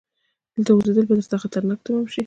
دلته اوسيدل به درته خطرناک تمام شي!